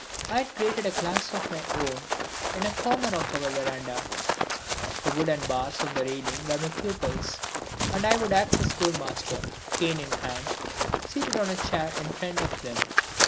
I had started a class of my own in a corner of our verandah. The wooden bars of the railing were my pupils, and I would act the schoolmaster, cane in hand, seated on a chair in front of them.